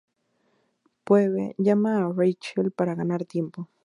Phoebe llama a Rachel para ganar tiempo.